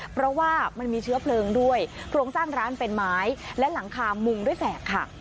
เพราะว่ามันมีเชื้อเพลิงด้วยโครงสร้างร้านเป็นไม้และหลังคามุงด้วยแฝกค่ะ